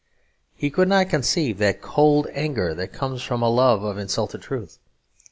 He could not conceive that cold anger that comes from a love of insulted truth.